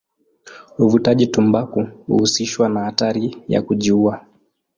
Uvutaji tumbaku huhusishwa na hatari ya kujiua.